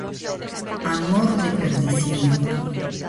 Amor de perdición.